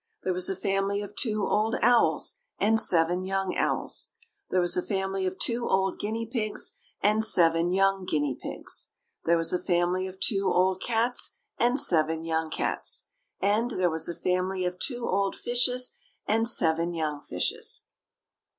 There was a family of two old owls and seven young owls. There was a family of two old guinea pigs and seven young guinea pigs. There was a family of two old cats and seven young cats. And there was a family of two old fishes and seven young fishes.